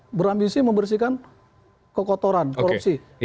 yang berambisi membersihkan kekotoran korupsi